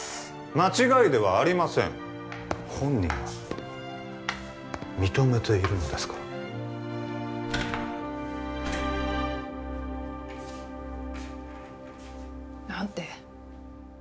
間違いではありません本人が認めているのですから何で？